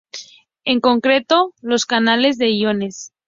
En concreto, los canales de iones.